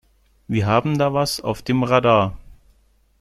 Wir haben da was auf dem Radar.